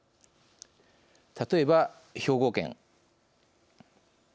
例えば兵庫県。